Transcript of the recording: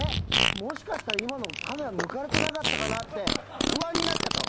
もしかしたら今のカメラに抜かれてなかったかなって不安になっちゃったの。